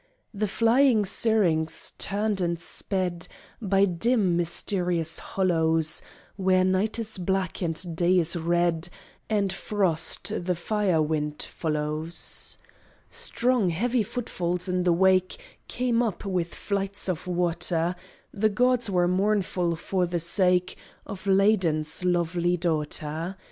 The flying Syrinx turned and sped By dim, mysterious hollows, Where night is black, and day is red, And frost the fire wind follows. Strong, heavy footfalls in the wake Came up with flights of water: The gods were mournful for the sake Of Ladon's lovely daughter.